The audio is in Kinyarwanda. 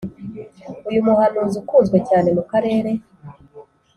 uyu muhanzi ukunzwe cyane mu karere